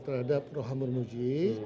terhadap rohamur muji